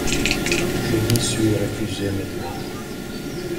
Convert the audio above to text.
Je m'y suis refusé nettement.